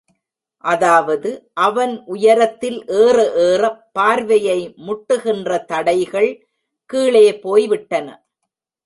அதாவது, அவன் உயரத்தில் ஏற ஏறப் பார்வையை முட்டுகின்ற தடைகள் கீழே போய் விட்டன.